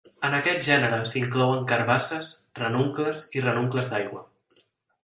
En aquest gènere s'hi inclouen carbasses, ranuncles i ranuncles d'aigua.